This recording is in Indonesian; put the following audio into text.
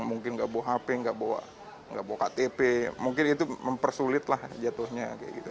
mungkin enggak bawa hp enggak bawa ktp mungkin itu mempersulitlah jatuhnya